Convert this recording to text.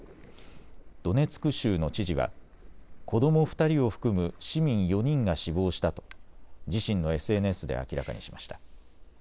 ドネツク州の知事は子ども２人を含む市民４人が死亡したと自身のＳＮＳで明らかにしました。